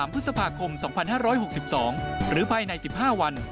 พฤษภาคม๒๕๖๒หรือภายใน๑๕วัน